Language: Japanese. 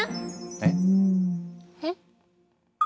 えっ？えっ？